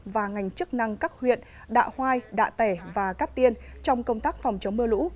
và ngành chức năng các huyện đạ hoai đạ tẻ và cát tiên trong công tác phòng chống mưa lũ